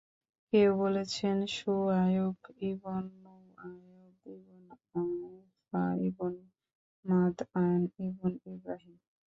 কেউ বলেছেন, শুআয়ব ইবন নুওয়ায়ব ইবন আয়ফা ইবন মাদয়ান ইবন ইবরাহীম।